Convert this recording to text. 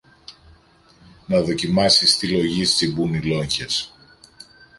να δοκιμάσεις τι λογής τσιμπούν οι λόγχες